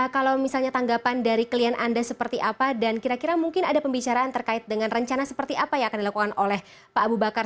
kalau misalnya tanggapan dari klien anda seperti apa dan kira kira mungkin ada pembicaraan terkait dengan rencana seperti apa yang akan dilakukan oleh pak abu bakar